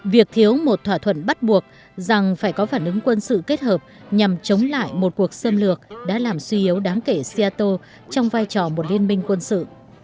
việc thiếu một thỏa thuận bắt buộc rằng phải có phản ứng quân sự kết hợp nhằm chống lại một cuộc xâm lược đã làm suy yếu đáng kể seattle trong vai trò một liên minh quân sự